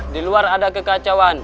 di luar ada kekacauan